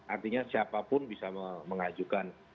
artinya siapapun bisa mengajukan